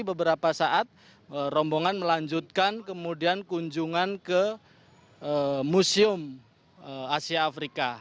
beberapa saat rombongan melanjutkan kemudian kunjungan ke museum asia afrika